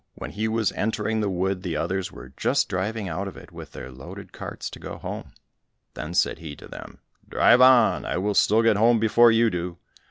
When he was entering the wood, the others were just driving out of it with their loaded carts to go home; then said he to them, "Drive on, I will still get home before you do."